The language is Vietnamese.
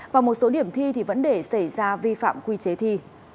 và một số điểm thi thì vẫn để xảy ra vi phạm quy chế thi